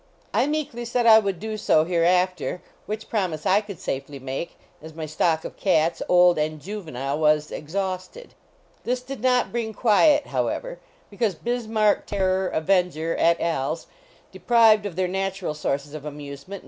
I meekly said I would do so, hereafter, which promise I could safely make, as my stock of cats, old and juvenile, was exhausted. This did not bring quiet, however, because Bismarck, Terror, Avenger, et a/s, deprived of their natural sources of amusement, m.